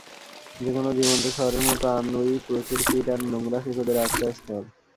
যেকোনো জীবন্ত শহরের মতো, আনউই প্রচুর কীট আর নোংরাখেকোদের আশ্রয়স্থল।